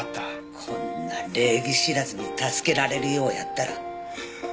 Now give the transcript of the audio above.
こんな礼儀知らずに助けられるようやったら。